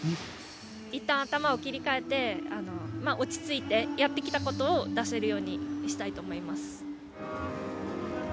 いったん頭を切り替えて落ち着いて、やってきたことを出せるようにしたいと思います。